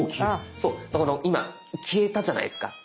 そう今消えたじゃないですか。